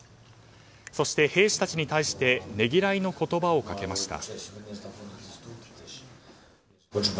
そして、兵士たちに対してねぎらいの言葉をかけました。